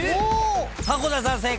迫田さん正解。